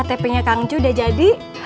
pembelinya kang cu udah jadi